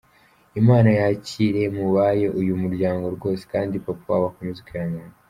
lmana yakire mubayo uy’umuryango rwose!kandi papa wabo akomeze kwihangana.